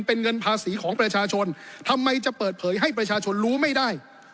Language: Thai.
เป็นเงินภาษีของประชาชนทำไมจะเปิดเผยให้ประชาชนรู้ไม่ได้